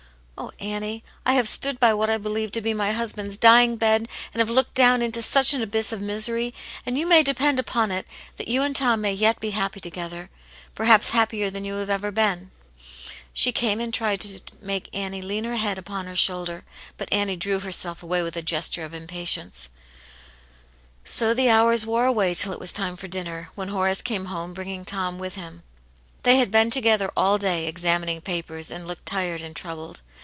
Oh, Annie I I have stood by what I believed to be my husband's dying bed, and have looked down into such an abyss of misery ! And you may depend upon it that you and Tom may yet be happy together ; perhaps hap pier than you have ever been." She came and tried to mak^ Ktvxi\ft \^^.tw \NftX V^^^ 192 Aunt yane'iS Hero. upon her shoulder, but Annie drew herself away with a gesture of impatience. So the hours wore away till it was time for dinner, when Horace came home, bringing Tom with him. They had been together all day, examining papers, and looked tired and troubled.